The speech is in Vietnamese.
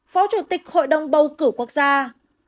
phó chủ tịch hội đồng bầu cử quốc gia